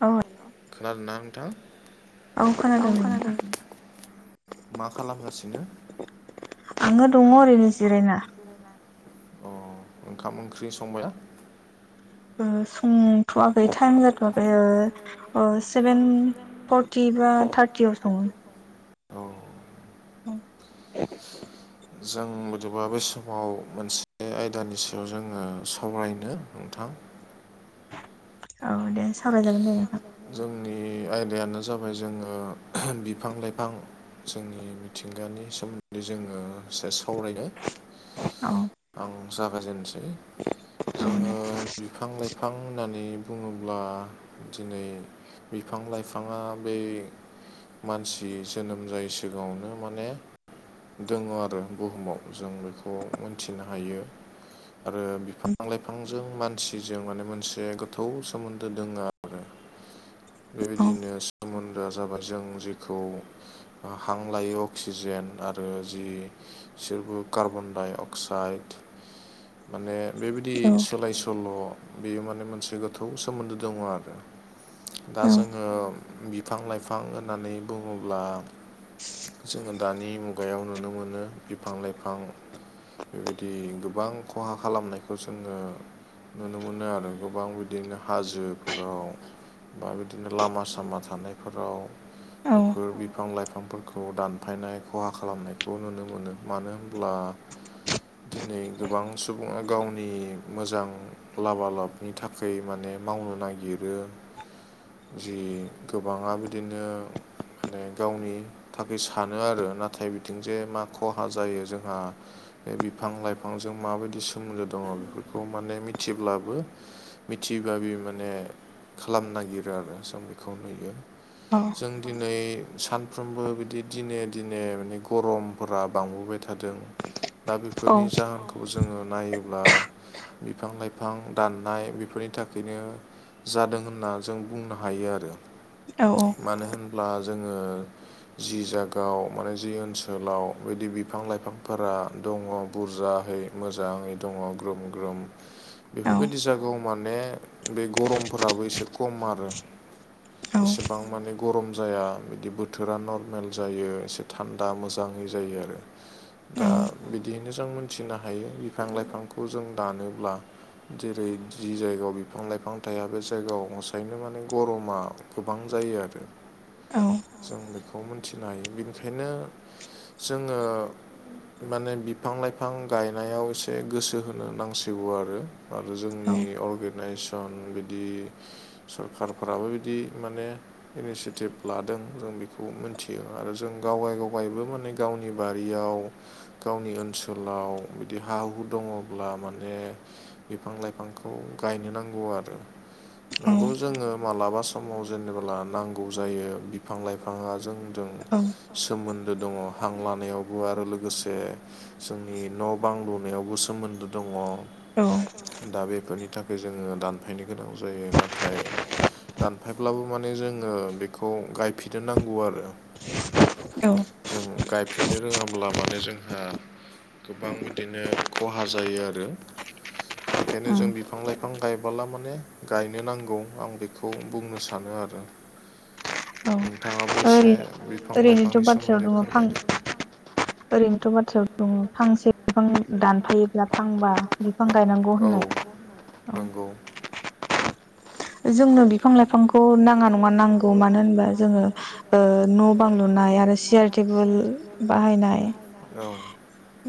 औ खोनादों ना नोंथां औ खोनादों मा खालामगासिनो आङो दङ ओरैनो जिरायना अ ओंखाम ओंख्रि संबायना ओ सोंथ'वाखै टाइम जाथ'वाखै ओ सेभेन फरटि फुरा थार्टियाव सङो औ औ जों बदोबा बे समाव मोनसे आयदानि सायाव जोङो सावरायनो नोंथां औ दे सावराय जागोन दे नोंथां जोंनि आयदायानो जाबाय जोङो बिफां लाइफां जोंनि मिथिंगानि सोमोन्दै जोङो दसे सावरायनो औ आं जागायजेननोसै औ दे जोङो बिफां लाइफ बिफां होननानै बुङोब्ला दिनै बिफां लाइफाङा बे मानसि जोनोम जायै सिगाङावनो माने दङ आरो बुहुमाव जों बेखौ मोनथिनो हायो आरो बिफां लाइफांजों मानसिजों माने मोनसे गोथौ सोमोन्दो दोङो औ बेबायदिनो सोमोन्दोआ जाबाय जों जेखौ हां लायै अक्सिजेन आरो जि [unintelligible] अक्साइड माने बेबायदि औ सोलाय सोल' बेयो माने मोनसे गोथौ सोमोन्दो दङ आरो दा जोङो बिफां लाइफां होननानै बुङोब्ला जोङो दानि मुगायाव नुनो मोनो बिफां लाइफां बेदि गोबां खहा खालामनायखौ जोङो नुनो मोनो आरो गोबां बिदिनो हाजोफोराव बा बिदिनो लामा सामा थानायफोराव औ बेफोर बिफां लाइफांफोरखौ दानफायनाय खहा खालामनायखौ नुनो मोनो मानो होमब्ला दिनै गोबां सुबुङा गावनि मोजां लाबा लाबनि थाखाय माने मावनो नागिरो जि गोबाङा बिदिनो माने गावनि थाखै सानो आरो नाथाय बिथिंजे मा खहा जायो जोंहा बे बिफां लाइफांजों माबायदि सोमोन्दो दङ बेफोरखौ माने मिथिब्लाबो मिथि बाबि माने खालामनो नागिरो आरो जों बेखौ नुयो [unintelligible] जों दिनै सानफ्रोमबो बिदि दिने दिने माने गरमफोरा बांबोबाय थादों दा बेफोरनि औ जाहोनख खौ जोङो नायोब्ला बिफां लाइफां दाननाय बेफोरनि थाखायनो जादों होनना जों बुंनो हायो आरो औ-औ मानो होनब्ला जोङो जि जागायाव माने जि ओनसोलाव बिदि बिफां लाइफांफोरा दङ बुरजाहै मोजाङै दङ ग्रोम ग्रोम औ बेफोरबायदि जागायाव माने बे गरमफोराबो एसे खम आरो एसेबां माने गरम जाया बिदि बोथोरा नरमेल जायो एसे थान्दा मोजां यै आरो दा बिदि बेनो जों मोनथिनो हायो बिफां लाइफांखौ जों दानोब्ला जेरै जि जायगायाव बिफां लाइफां थाया बे जायगायाव मसायनो माने गरमा गोबां जायो आरो। औ। जों बेखौ मोनथिनो हायो बिनिखायनो जोङो माने बिफां लाइफां गायनायाव एसे गोसो होनो नांसिगौ आरो। आरो जोंनि अर्गेनाइजेसन बिदि सरखारफोराबो बिदि माने इनिसियेटिभ लादों जों बेखौ मिथियो आरो जों गावाय गावायबो माने गावनि बारियाव गावनि ओनसोलाव बिदि हा हु दङब्ला माने बिफां लाइफांखौ गायनो नांगौ आरो। नोंगौ जोङो मालाबा समाव जेनेल्बा नांगौ जायो बिफां लाइफाङा जों जों सोमोन्दो दङ हां लानायावबो आरो लोगोसे जोंनि न' बां लुनायावबो सोमोन्दो दङ। दा बेफोरनि थाखाय जोङो दानफायनो गोनां जायो नाथाय दानफायब्लाबो माने जोङो बेखौ गायफिनो नांगौ आरो। औ। जों गायफिननो रोङाब्ला माने जोंहा गोबां बिदिनो खहा जायो आरो। ओंखायनो जों उम बिफां लाइफां गायबोला माने गाय [unintelligible] नांगौ आं बेखौ बुंनो सानो आरो औ नोंथाङाबो एसे ओरैनो बिफां ओरैनोथ' लाइफांनि बाथ्रायाव सोमोन्दै दङ फां फोरमायदों। ओरैनोथ' बाथ्रायाव दङ फांसे बिफां दानफायो। लाफांबा बिफां गायनांगौ औ होननाय औ। नंगौ जोंनो बिफां लाइफांखौ नाङा नङा नांगौ मानो होनबा जोङो न' बां लुनाय आरो सियार टेबोल बाहायनाय औ।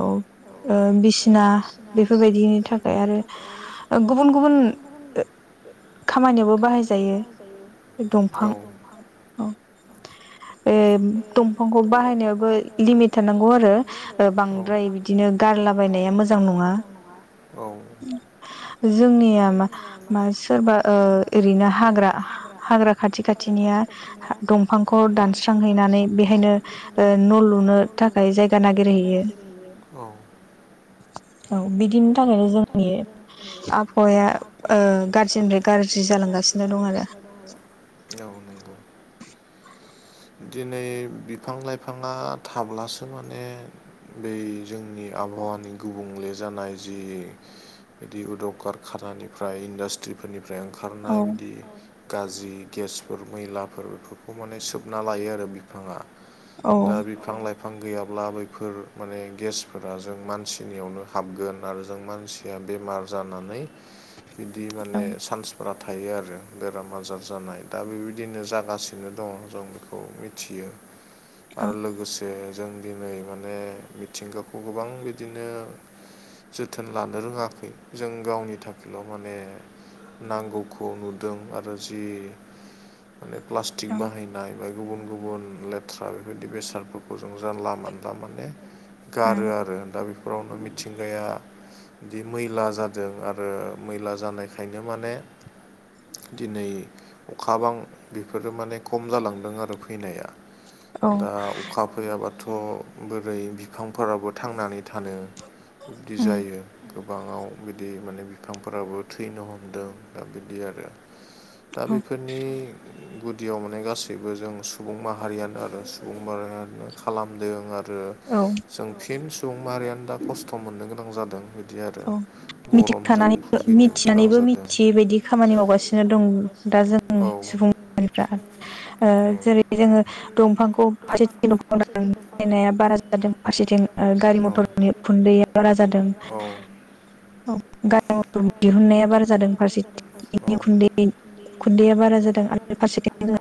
औ बिसिना बेफोरबायदिनि थाखाय आरो गुबुन गुबुन खामानियावबो बाहायजायो दंफां औ। ए दंफांखौ बाहायनायावो लिमिट थानांगौ आरो बांद्राय बिदिनो। गारलाबायनाया मोजां नङा। औ जोंनिया म मा सोरबा ओरैनो हाग्रा हाग्रा खाथि खाथिनिया दंफांखौ दानस्रांहैनानै बेहायनो न' लुनो थाखाय जायगा नागिरहैयो। औ। औ बिदिनि थाखायनो जोंनि आबहावाया गाज्रिनिफ्राय गाज्रि जालांगासिनो दं आरो। औ नंगौ। दिनै बिफां लाइफाङा थाब्लासो माने बै जोंनि आबहावानि गुबुंले जानाय जि भेदिउ कारखानानिफ्राय इन्डास्ट्रिफोरनिफ्राय ओंखार औ ओखारनाय बिदि गाज्रि गेसफोर मैलाफोर बेफोरखौ माने हाबना लायो आरो बिफाङा औ दा बि फां- लाइफां गैयाब्ला बैफोर माने गेसफोरा जों मानसिनियावनो हाबगोन आरो जों मानसि बेमार जानानै बिदि माने औ सान्सफ्रा थायो आरो बेराम आजार जानाय दा बेबायदिनो जागासिनो दङ जों औ मिथियो आरो लोगोसे जे जों दिनै माने मिथिंगाखौ गोबां बिदिनो जोथोन लानो रोङाखै जों गावनि थाखायल माने नांगौखौ नुदों आरो जि माने प्लास्टिक बाहायनाय ओमफ्राय गुबुन गुबुन लेथ्रा बेफोरबायदि बेसादफोरखौ जों जानला मोनानला माने गारो आरो दा बेफोरावनो मिथिंगाया बिदि मैला जादों आरो मैला जानायखायनो माने दिनै अखा बां बेफोरो माने खम जालांदों दों आरो फैनाया औ दा अखा फैयाबाथ बोरै बिफांफोराबो थांनानै थानो बिबदि उम जायो गोबाङाव बिदि माने बिफांफोराबो थैनो हमदों दा बिदि आरो दा उम बेफोरनि गुदियाव माने गासै बो जों सुबुं माहारियानो आरो सुबुं माहारियानो खालामदों आरो औ जों फिन सुबुं माहारियानो दा खस्थ मोननो गोनां जादों दे मिथिखानानैबो मिथिनानैबो मिथियै बायदि खामानि मावगासिनो दं दा जों सुबुं [unintelligible] फ्रा ओ ओ जेरै जोङो दंफांखौ फारसेथिं दंफायनाया बारा जादों फारसेथिं गारि मथरनि खुन्दैया बारा जादों औ गारि मथर दिहुननाया बारा जादों फारसेथिं उखुन्दै खुन्दैया बारा जादों आरो फारसेथिं जों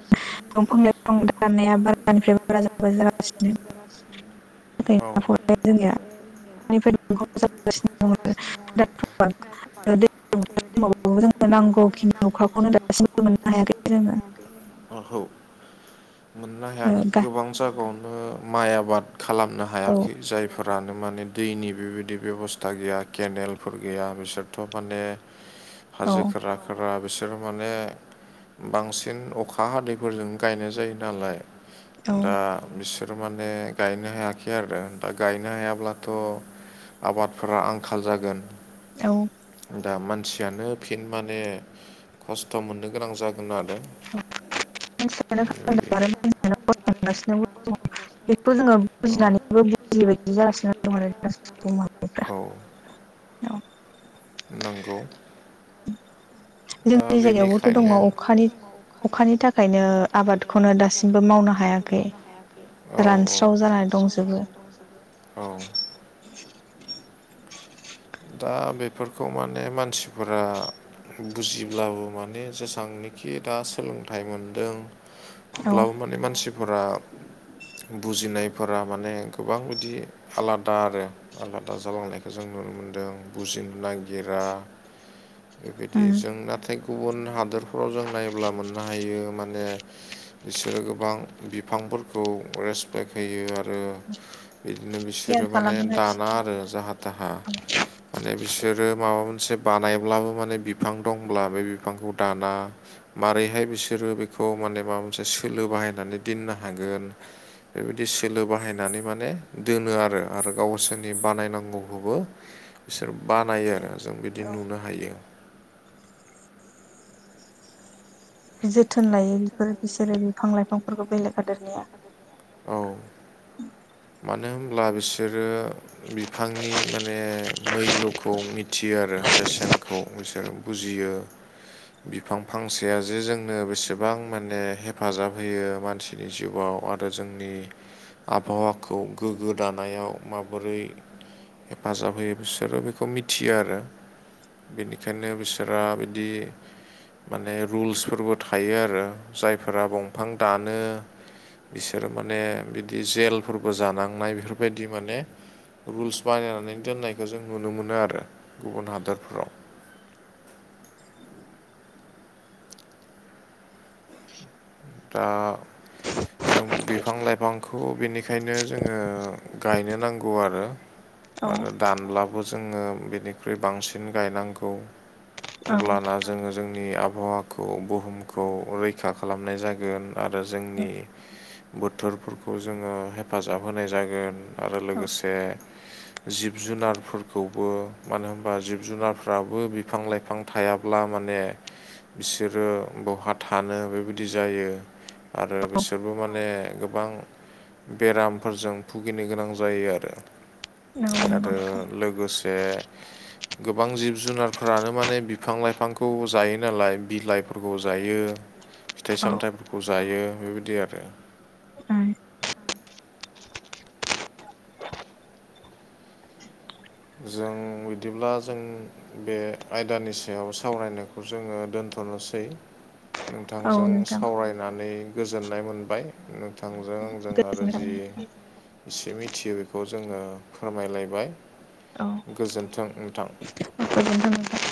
दंफां लाइफां दानाया बारानिफ्राय बारा जालां जागासिनो औ [unintelligible] [unintelligible] दैयाव जोंनो नांगौखिनि बोथोर अखाखौनो दासिमबो [unintelligible] मोननो हायाखै जोङो हाया माखौ मोननो ओ गा गोबां जायगायावनो माइ आबाद खालामनो औ हायाखै जाय फोरानो माने दैनि बेबायदि बेबस्था गैया केनेलफोर गैया बिसोरथ माने औ हाजो खोरा खोरा बिसोर माने बांसिन अखा हादैफोरजों गायनाय जायो नालाय दा औ बिसोरो माने गायनो हायाखै आरो दा गायनो हायाब्लाथ आबादफोरा आंखाल जागोन औ दा मानसियानो फिन माने खस्थ मोननो गोनां जागोन आरो [unintelligible] बेखौ बेबायदि जोङो बुजिनानैबो बुजिबायायदि जागासिनो दं आरो [unintelligible] औ औ नंगौ दा जोंनि जायगायावबोथ दङ बेनिखायनो अखानि अखानि थाखायनो आबादखौनो दासिमबो मावनो हायाखै रानस्राव जानानै दंजोबो औ दा बेफोरखौ माने मानसिफोरा बुजिब्लाबो माने जेसेबांनोखि दा सोलोंथाइ मोनदों अब्लाबो माने मानसिफोरा बुजिनायफोरा माने गोबां बिदि आलादा आरो आलादा जालांनायखौ जों नुनो मोन दों बुजिनो नागिरा बेबायदि उम जों नाथाय गुबुन हादोरफ्राव जों नायोब्ला मोननो हायो माने बिसोरो गोबां बिफांफोरखौ रेस सिायखयो आरो बिदिनो बिसोरो केयार माने खालामोना दाना बिसोरो आरो जाहा थाहा माने बिस बिोरो माबा मोनसे बानायब्लाबो माने बिफां दंब्ला बे बिफांखौ दाना माबारैहाय बिसोरो बेखौ माने माबा मोनसे सोलो बाहायनानै दोननो हागोन। बेबायदि सोलो बाहायनानै माने दोनो आरो आरो गावसोरनि बानायनांगौखौबो। बिसोर बानायो आरो जों बिदि औ नुनो हायो। जोथोन लायो बेफोरो बिसोरो बिफां लाइफांफोरखौ बेलेग हादोरनिया। औ। मानो होनब्ला बिसोरो। बिफांनि माने मैल्यखौ मिथियो आरो बेसेनखौ। बुजियो बिफां फांसेया जे जोंनो बेसेबां माने हेफाजाब होयो मानसि। नि जिउआव आरो जोंनि आबहावा। खौ गोग्गो दानायाव माबोरै हेफाजाब होयो बिसोरो बिखौ मिथियो आरो। बेनिखायनो बिसोरा बिदि माने रुल्सफोरबो थायो आरो जायफोरा बंफां दानो। बिसोरो माने बिदि जेलफोरबो जानांनाय बेफोरबायदि माने रुल्स बानायनानै दोननायखौ जों नुनो मोनो आरो गुबुन हादरफोराव। [inaudible] दा जों बिफां लाइफां बे खौ बेनिखायनो जोङो गायनो नांगौ आरो औ आरो दानब्ला ज बिनिख्रुइ बांसिन गनांग औ अब्लाना जोङो जोंनि आबहावाखौ बुहुमखौ रैखा खालामनाय जागोन। आरो जोंनि बोथोरफोरखौ जोङो हेफाजाब होनाय जागोन। आरो औ लोगोसे। जिब जुनारफोरखौबो मानो होनबा जिब जुनारफ्राबो बिफां-लाइफां थायाब्ला माने बिसोरो बहा थानो बेबायदि जायो आरो बिसोरबो माने गोबां। बेरामफोरजों भुगिनो गोनां जायो आरो नंगौ नंगौ आरो लोगोस ओ गोबां जिब जुनारफोरानो माने बिफां लाइफांखौ जायो नालाय बिलाइफोरखौ जायो। फिथाइ औ सामथाइफोरखौ जायो बेबायदि आरो। उम जों बिदिब्ला जों बे आयदानि सायाव सावरायनायखौ जोङो दोन्थ'नोसै। औ नोंथांजों नोंथां सावरायनानै गोजोननाय मोनबाय। नोंथांजों आंजों आरो जि एसे मिथियो बेखौ जोङो फोरमायलायबाय।। औ गोजोन्थों नोंथां। गोजोन्थों नोंथां।